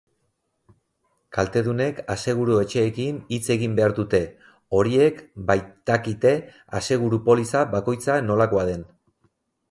Kaltedunek aseguru-etxeekin hitz egin behar dute, horiek baitakite aseguru-poliza bakoitza nolakoa den.